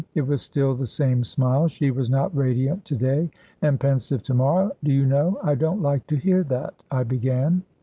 It was still the same smile; she was not radiant to day and pensive to morrow. "Do you know I don't like to hear that?" I began.